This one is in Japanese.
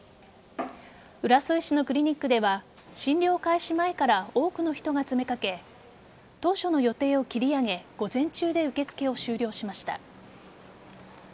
浦添市のクリニックでは診療開始前から多くの人が詰め掛け当初の予定を切り上げ午前中で受け付けを終了しました。